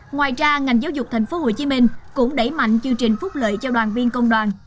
ngoài ra ngành giáo dục tp hcm cũng đẩy mạnh chương trình phúc lợi cho đoàn viên công đoàn